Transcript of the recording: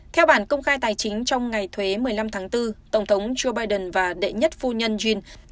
theo bản công khai tài chính trong ngày thuế một mươi năm tháng bốn tổng thống joe biden và đệ nhất phu nhân jean